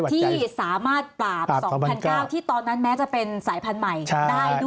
ที่สามารถปราบ๒๙๐๐ที่ตอนนั้นแม้จะเป็นสายพันธุ์ใหม่ได้ด้วย